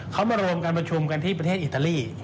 เขามารวมการประชุมกันที่ประเทศอิตาลี